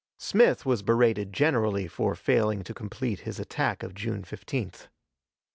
Smith was berated generally for failing to complete his attack of June 15th.